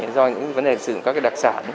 do những vấn đề dựng các đặc sản